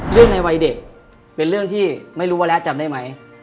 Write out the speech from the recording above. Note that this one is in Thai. ในวัยเด็กเป็นเรื่องที่ไม่รู้ว่าแล้วจำได้ไหม